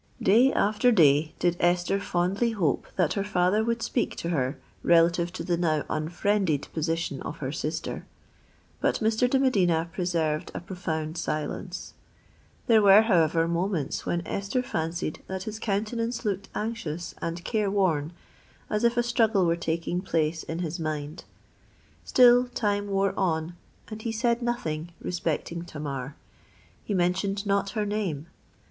Day after day did Esther fondly hope that her father would speak to her relative to the now unfriended position of her sister; but Mr. de Medina preserved a profound silence. There were, however, moments when Esther fancied that his countenance looked anxious and care worn, as if a struggle were taking place in his mind. Still time wore on, and he said nothing respecting Tamar:—he mentioned not her name!